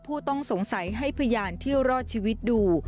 ผู้ต้องสงสัยให้พยานที่รอดชีวิตดู